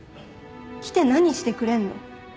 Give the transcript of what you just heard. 来て何してくれんの？